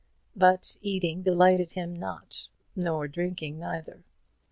But eating delighted him not, nor drinking neither.